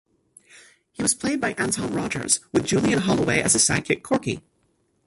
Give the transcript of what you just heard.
He was played by Anton Rodgers, with Julian Holloway as his sidekick Corky.